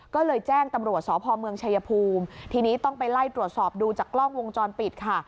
ก็เลยแจ้งตำรวจสพเมืองชายภูมิทีนี้ต้องไปไล่ตรวจสอบดูจากกล้องวงจรปิดค่ะ